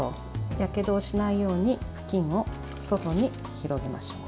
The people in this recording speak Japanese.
やけどをしないように布巾を外に広げましょう。